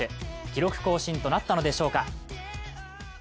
記録更新となったのでしょうか。